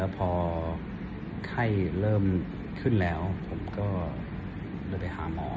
พอไข้เริ่มขึ้นแล้วผมก็เลยไปหาหมอ